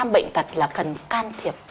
một mươi bệnh tật là cần can thiệp